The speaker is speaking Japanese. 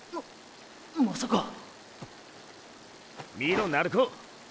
まさか見ろ鳴子。